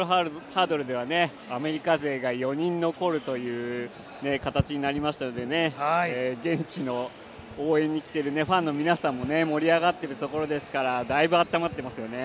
４００ｍハードルではアメリカ勢が４人残るという形になりましたので現地の応援に来ているファンの皆さんも盛り上がっているところですからだいぶ、温まってますね。